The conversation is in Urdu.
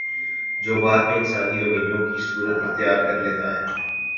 جو بعد میں انسانی رویوں کی صورت اختیار کر لیتا ہے